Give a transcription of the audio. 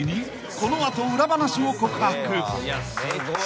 この後裏話を告白］